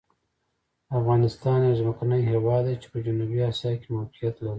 افغانستان یو ځمکني هېواد دی چې په جنوبي آسیا کې موقعیت لري.